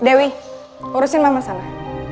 dewi urusin mama sana